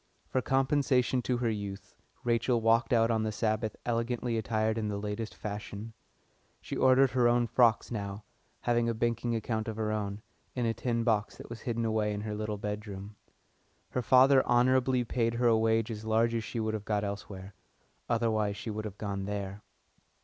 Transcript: For compensation to her youth Rachel walked out on the Sabbath elegantly attired in the latest fashion. She ordered her own frocks now, having a banking account of her own, in a tin box that was hidden away in her little bedroom. Her father honourably paid her a wage as large as she would have got elsewhere otherwise she would have gone there.